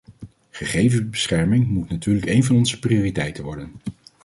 Gegevensbescherming moet natuurlijk een van onze prioriteiten worden.